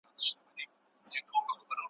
داببر ببر لاسونه `